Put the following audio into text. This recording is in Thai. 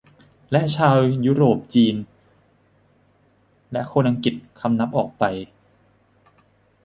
และชาวยุโรปจีนและคนอังกฤษคำนับออกไป